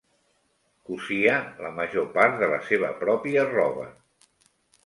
Cosia la major part de la seva pròpia roba.